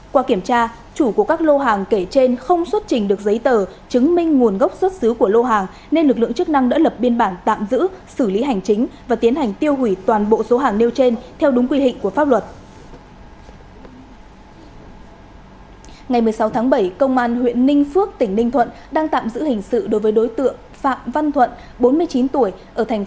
qua kiểm tra chủ của các lô hàng kể trên không xuất trình được giấy tờ chứng minh nguồn gốc xuất xứ của lô hàng nên lực lượng chức năng đã lập biên bản tạm giữ xử lý hành chính và tiến hành tiêu hủy toàn bộ số hàng nêu trên theo đúng quy hịnh của các lô hàng